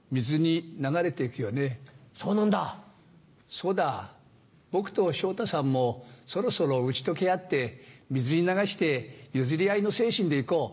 そうだ僕と昇太さんもそろそろ打ち解け合って水に流して譲り合いの精神で行こう。